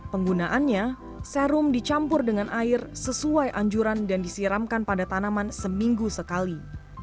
penggunaannya serum dicampur dengan air sesuai anjuran dan disiramkan pada tanaman seminggu sekali